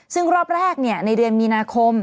ซึ่งรอบแรกในเดือนมีนาคม